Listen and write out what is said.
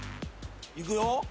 いくよ。